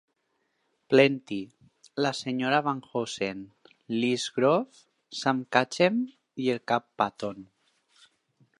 Plenty, la Sra. Van Hoosen, Lizz Grove, Sam Catchem i el Cap Patton.